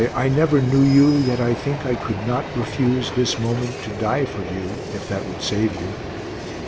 I never knew you, Yet I think I could not refuse this moment to die for you, if that would save you.